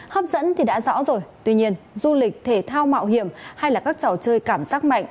hấp dẫn thì đã rõ rồi tuy nhiên du lịch thể thao mạo hiểm hay là các trò chơi cảm giác mạnh